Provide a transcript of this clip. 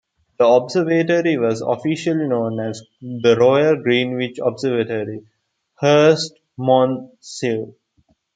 The Observatory was officially known as The Royal Greenwich Observatory, Herstmonceux.